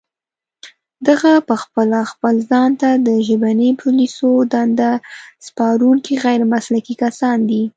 دغه پخپله خپل ځان ته د ژبني پوليسو دنده سپارونکي غير مسلکي کسان دي